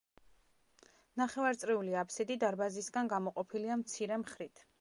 ნახევარწრიული აფსიდი დარბაზისგან გამოყოფილია მცირე მხრით.